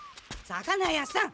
魚屋さん！